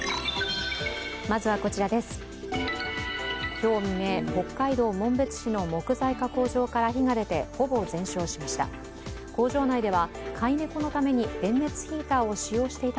今日未明、北海道紋別市の木材か工場から火が出て、ほぼ全焼しました。